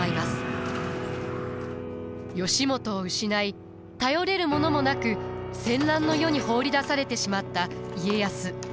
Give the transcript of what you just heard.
義元を失い頼れるものもなく戦乱の世に放り出されてしまった家康。